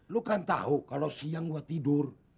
lo kan tau kalo siang gue tidur